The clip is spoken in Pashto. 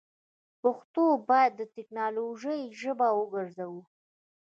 پښتو باید دټیکنالوژۍ ژبه وګرځوو.